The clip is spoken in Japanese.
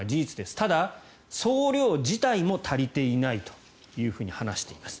ただ、総量自体も足りていないというふうに話しています。